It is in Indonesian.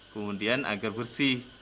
kemudian agar bersih